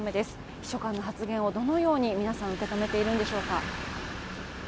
秘書官の発言をどのように皆さん、受け止めているのでしょうか。